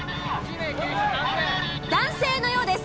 男性のようです。